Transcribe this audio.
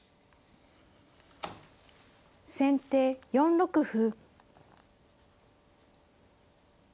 先手４六歩。